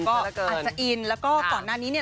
ก็อาจจะอินแล้วก็ก่อนหน้านี้เนี่ย